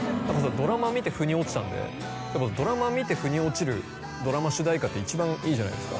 ドラマ見て腑に落ちたんでドラマ見て腑に落ちるドラマ主題歌って一番いいじゃないですか